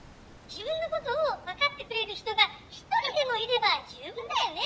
自分のことを分かってくれる人が一人でもいれば十分だよね」。